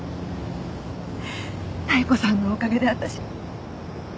妙子さんのおかげで私。